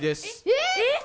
えっ！